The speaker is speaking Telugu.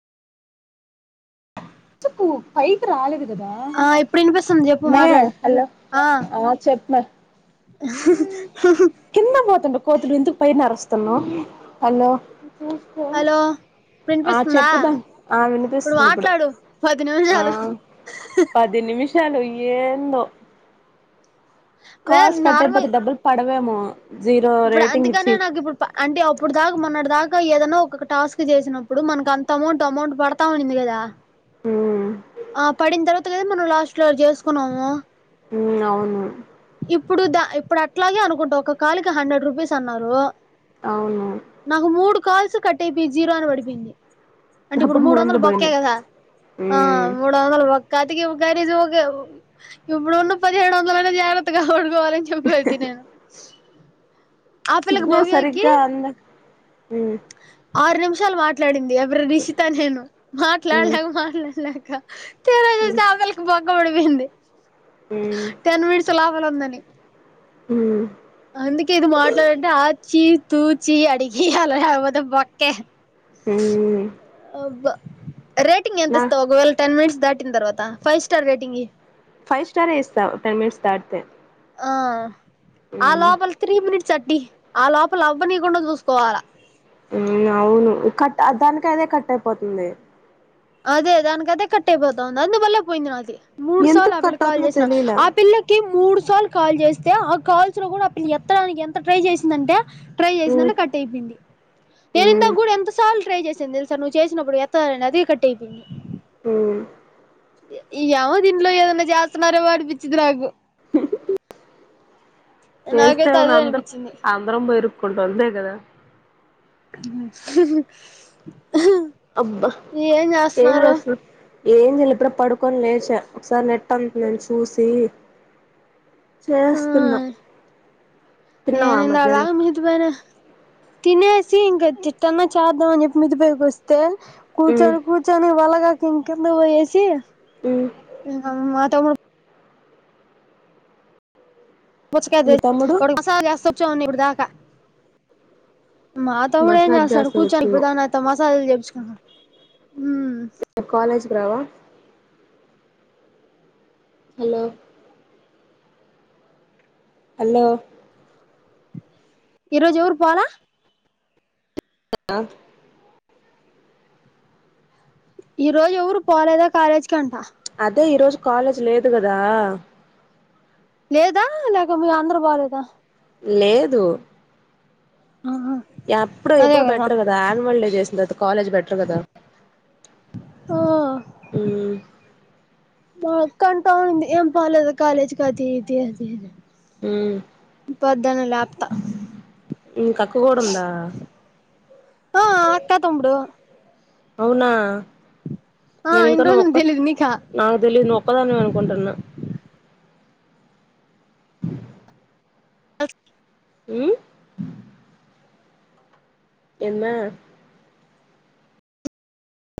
చకు పైకి రాలేదు కదా ఆ ఇప్పుడు వినిపిస్తుంది చెప్పు మే మాట్లాడు హలో ఆ చెప్ప మీ కింద పోతుంటే కోతులు ఇంత పై నరుస్తున్నా అలో హలో వినిపిస్తుందా చెప్పుదాం ఆ ఇప్పుడు వినిపిస్తుంది మాట్లాడు పదినిమిషాలు హు హు షాలు ఏందో వే కాల్స్ కట్ట నార్మల్ అయిపోతే డబ్బులు పడ డవేమో ఇప్పుడు అందుకనే నాకు ఇప్పుడు అంటే అప్పుడు దాకా మొన్నటి దాకా ఏదో ఒక టాస్క్ చేసినప్పుడు మనకు అంత అమౌంట్ అమౌంట్ పడతా ఉన్నింది కదా ఉమ్ ఆ పడిన తర్వాత కదా మనం లాస్ట్ లో చేసుకున్నాము ఊ అవును ఇప్పుడు దా ఇప్పుడు అట్లాగే అనుకుంటా ఒక కాల్ కి హండ్రెడ్ రూపీస్ అన్నారు అవును నాకు మూడు కాల్స్ కట్ అయిపోయి జీరో అని పడిపిపోయింది అంటే ఇప్పుడు మూడు వందలు బొక్కా కదా ఆ ఉమ్ [unintelligible] ఇప్పుడున్న పదిహేడు వందలన్న జాగ్రత్తగావదు [unintelligible] నేను ఆ పిల్లకి సిగ్నల్ భవ్యకి సరిగ్గా అంద ఉమ్ శాలు మాట్లాడింది ప్రీనిశిత నేను ఉమ్ మాట్లాడలేక మాట్లాడలేక ఉమ్ [unintelligible] సర్ వాళ్ళకి బొక్క పడిం పోయింది ఉమ్ టెన్ మినిట్స్ లోపల ఉందని హు అందుకే ఏదో మాట్లాడంటే ఆ చీ తూ చీ అడిగేయాలా లేకపోతే బొక్కే హూ అబ్బా రేటింగ్ ఎంత ఇస్తావు ఒకవేళ టెన్ మినిట్స్ దాట్ తర్వాత five star rating five star ఇస్తా టెన్ మినిట్స్ దాటితే ఆ ఆ లోపాల త్రీ మినిట్స్ సట్టి ఆ లోపల అవ్వనీకుండా చూసుకోవాలా హుమ్ అవును కట్ దానికి అదే కట్ అయిపోతుంది అదే దానికి కదే కట్టేపోతంది అందు వల్లే పోయింది అది మూడు సార్లు ఎందుకు ఆ పిల్ల కట్ కాల్ అవుతుందో చేసిన తెలియలే ఆ పిల్లకి మూడు సార్లు కాల్ చేస్తే ఆ కాల్స్ లో కూడా ఆ పి ఎత్తడానికి ఎంత ట్రై చేసిందంటే ట్రై చేసిందంట కట్ అయిపోయింది. నేను ఇందాక కూడా ఎంత సార్లు ట్రై చేసి న తెలుసా నువ్వు చేసినప్పుడు ఎత్తడానికి అదే క ట్టే అయిపోయిం మ్ ఇయ ఏమో దీంట్లో ఏదైన్నా చేత్తన్నారో అనిపించిది నాకు హు హుమ్ చేేస్తే నాకైతే ఏం ఉంది అదే అందర్ అనిపించింది అందరం పోయి ఇరు కుంటం అంతే కదా హూ హ అబ్బా ఏం చేస్ ఏం చేయలే ఇప్పుడు పడుకొని లేచా ఒకసారి నెట్ ఆన్ చేసి చూసి ఆ చేస్తున్నా తిన్నావా నేను ఇందాక మధ్యాహ్నం దాకా మీతో పైన తినేసి ఇంకా చిట్టన్నా చేద్దాం అని చెప్పి మిద్దె పైకి వస్తే కూచోని కూచోని వల్ల గాక్ మ్ కిందకు పోయేసి ఇంగ మాత్ తమ్ముడు పుచ్చకాయ తే మీ తమ్ముడు వాడు మసాజ్ చేస్తా కూచ్చొని ఇప్పడి దా క మా తమ్ముడే ఏం మసాజ్ చేస్తడు చేస్తా కూచోని ఇప్పడి కూర్చున్నాం దాకా నాతో మాసాజ్లు చేపించుకున్నడు. హ్మ్ నిన్న కాలేజ్ రావా హలో హలో ఈరోజు ఎవరు పోల కన్నా ఈ రోజు ఎవరు పోలేదా కాలేజ్ కి అంట అదే ఈరోజు కాలేజ్ లేదు గదా లేదా లేక మీ అందరు పోలేదా లేదు ఆహా ఎప్పుడు ఎప్పుడు పెట్రూ కదా ఆన్వల్ డే చేసిన తర్వాత కాలేజ్ పెట్రూ కదా ఆ హ్మ్ మా అక్క అంటా వుంది ఏం పోలేదు కాలేజ్ అది ఇది అని మ్మ్ పొద్దున లేప్తా నీక్ అక్క కూడా ఉందా ఆ అక్క, తమ్ముడు అవునా ఆ నేను ఇంకా ఇన్ని నువ్ రోజులు ఒక్క తెలీదు నీకా నాక్ తెలీదు నువు ఒక్కదానివే కొంటున్న స్ే హ్మ్ ఎమ్మా